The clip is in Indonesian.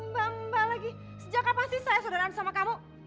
mbak mbak lagi sejak kapan sih saya sederhana sama kamu